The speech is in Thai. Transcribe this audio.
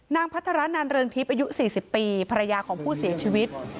พัฒนานันเรืองทิพย์อายุ๔๐ปีภรรยาของผู้เสียชีวิต